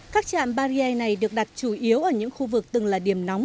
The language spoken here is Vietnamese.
các trạm barrier này được đặt chủ yếu ở những khu vực từng là điểm nóng